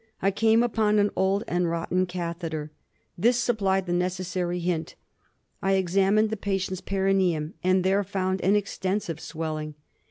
I came upon an old and rotten catheter. This supplied the necessary » hint. I examined the patient's perinneum and there found an extensive swelling.